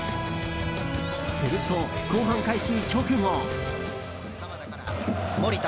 すると、後半開始直後。